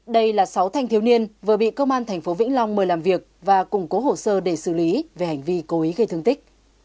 đây là sáu thanh thiếu niên vừa bị công an tp vĩnh long mời làm việc và củng cố hồ sơ để xử lý về hành vi cố ý gây thương tích